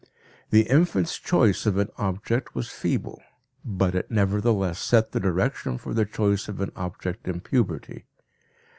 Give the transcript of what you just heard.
The infant's choice of an object was feeble, but it nevertheless set the direction for the choice of an object in puberty.